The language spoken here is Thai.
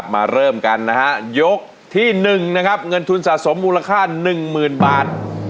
มาเริ่มกันนะฮะยกที่หนึ่งนะครับเงินทุนสะสมมูลค่าหนึ่งหมื่นบาท